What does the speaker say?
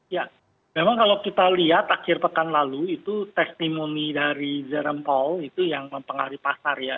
ya memang kalau kita lihat akhir pekan lalu itu testimomi dari jerem paul itu yang mempengaruhi pasar ya